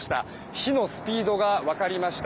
火のスピードがわかりました。